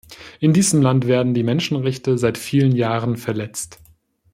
In diesem Land werden die Menschenrechte seit vielen Jahren verletzt.